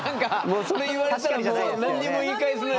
それ言われたらもう何にも言い返せない。